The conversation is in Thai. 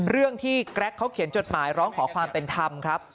เรื่องที่แกรกเขาเขียนจดหมายร้องขอความเป็นธรรมครับ